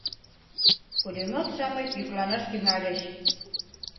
Пулемёт-шамыч йӱкланаш тӱҥальыч...